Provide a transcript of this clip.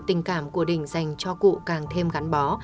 tình cảm của đình dành cho cụ càng thêm gắn bó